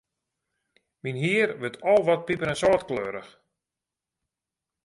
Myn hier wurdt al wat piper-en-sâltkleurich.